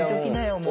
もう。